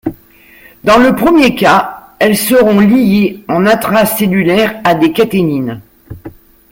Dans le premier cas elles seront liées en intracellulaire à des caténines.